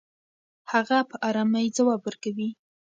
هغه په ارامۍ ځواب ورکوي.